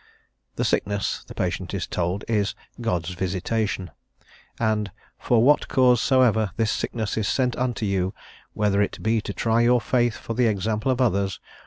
The sickness, the patient is told, "is God's visitation," and "for what cause soever this sickness is sent unto you: whether it be to try your faith for the example of others